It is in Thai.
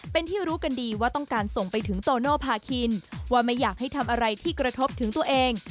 เป็นที่รู้กันดีว่าต้องการส่งไปถึงโตโนภาคินว่าไม่อยากให้ทำอะไรที่กระทบถึงตัวเอง